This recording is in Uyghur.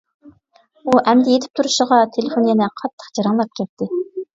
ئۇ ئەمدى يېتىپ تۇرۇشىغا تېلېفون يەنە قاتتىق جىرىڭلاپ كەتتى.